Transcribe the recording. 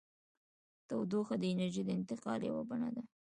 تودوخه د انرژۍ د انتقال یوه بڼه ده.